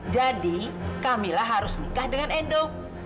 jadi kamilah harus menikah dengan edo